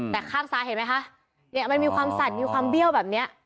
แต่ข้างซ้ายเห็นไหมคะเนี่ยมันมีความสั่นมีความเบี้ยวแบบนี้